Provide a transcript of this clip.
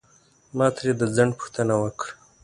ما ترې د ځنډ پوښتنه وکړه.